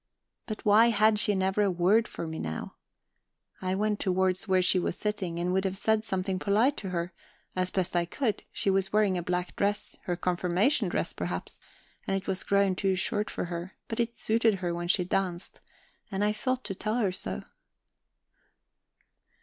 But why had she never a word for me now? I went towards where she was sitting, and would have said something polite to her, as best I could; she was wearing a black dress, her confirmation dress, perhaps, and it was grown too short for her, but it suited her when she danced, and I thought to tell her so.